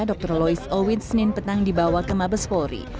dr lois owid senin petang dibawa ke mabes polri